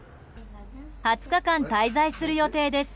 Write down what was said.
２０日間、滞在する予定です。